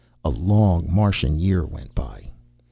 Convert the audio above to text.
A long Martian year went by.